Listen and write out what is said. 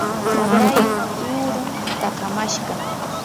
waqrayuq tuurun takamashqa.